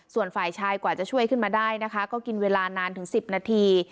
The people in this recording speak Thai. ส่วนฝ่ายชายกว่าจะช่วยขึ้นมาได้นะคะก็กินเวลานานถึง๑๐นาที